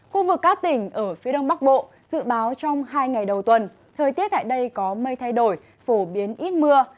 khu vực các tỉnh ở phía đông bắc bộ dự báo trong hai ngày đầu tuần thời tiết tại đây có mây thay đổi phổ biến ít mưa